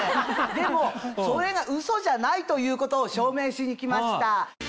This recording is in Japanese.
でもそれがうそじゃないということを証明しに来ました。